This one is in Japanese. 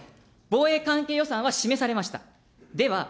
防衛関係予算は示されました。